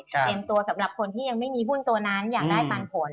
ตัวสำหรับคนที่ยังไม่มีหุ้นตัวนั้นอยากได้ปันผล